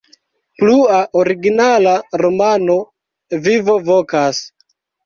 Plua originala romano: "Vivo Vokas".